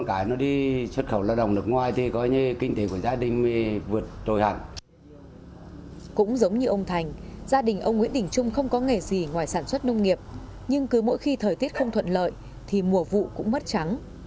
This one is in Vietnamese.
cũng giống như ông thành gia đình ông nguyễn đình trung không có nghề gì ngoài sản xuất nông nghiệp nhưng cứ mỗi khi thời tiết không thuận lợi thì mùa vụ cũng mất trắng